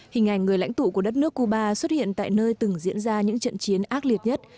hình ảnh người lãnh tụ của đất nước cuba xuất hiện tại nơi từng diễn ra những trận chiến ác liệt nhất